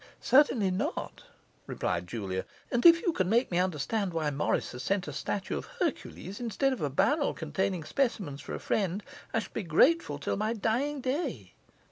'Certainly not,' replied Julia; 'and if you can make me understand why Morris has sent a statue of Hercules instead of a barrel containing specimens for a friend, I shall be grateful till my dying day.